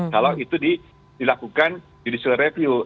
kalau itu dilakukan judicial review